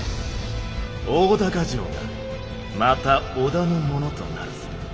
大高城がまた織田のものとなるぞ。